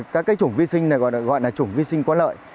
các cái chủng vi sinh này gọi là chủng vi sinh có lợi